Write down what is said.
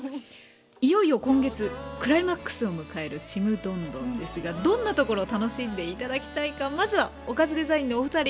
いよいよ今月クライマックスを迎える「ちむどんどん」ですがどんなところ楽しんで頂きたいかまずはオカズデザインのお二人。